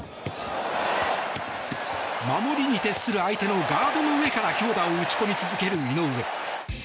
守りに徹する相手のガードの上から強打を打ち込み続ける井上。